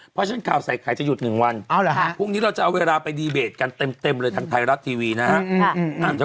เพราะฉะนั้นข่าวใส่ไข่จะหยุด๑วันพรุ่งนี้เราจะเอาเวลาไปดีเบตกันเต็มเลยทางไทยรัฐทีวีนะฮะ